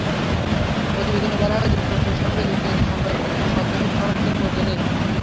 প্রতিবেদনে বলা হয়, যুক্তরাষ্ট্রের সঙ্গে যুক্তরাজ্যের সম্পর্কে কোনো শর্তহীন সমর্থনের প্রয়োজন নেই।